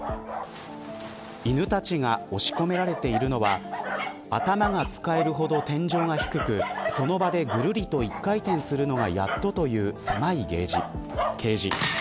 犬たちが押し込められているのは頭がつかえるほど天井が低くその場でぐるりと一回転するのがやっとという狭いケージ。